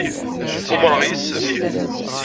Umreɣ yes-m.